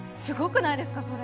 すごくないですか？